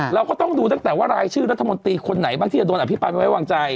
เราก็ต้องดูตั้งแต่ว่ารายชื่อรัฐมนตรีคนไหนบ้างที่จะโดนอภิปรายไม่ไว้วางใจ